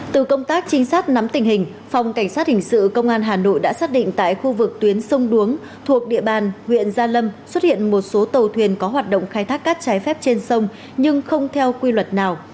từ công tác trinh sát nắm tình hình phòng cảnh sát hình sự công an hà nội đã xác định tại khu vực tuyến sông đuống thuộc địa bàn huyện gia lâm xuất hiện một số tàu thuyền có hoạt động khai thác cát trái phép trên sông nhưng không theo quy luật nào